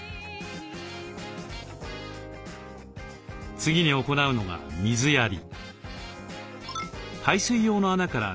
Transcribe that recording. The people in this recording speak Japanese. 次に行うのが水やり。